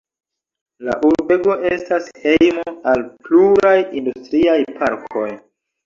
La urbego estas hejmo al pluraj industriaj parkoj.